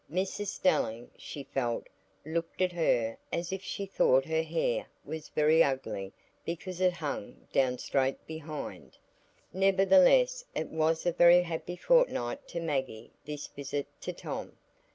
Mrs Stelling, she felt, looked at her as if she thought her hair was very ugly because it hung down straight behind. Nevertheless it was a very happy fortnight to Maggie, this visit to Tom.